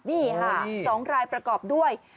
นี่ฮะสองรายประกอบด้วย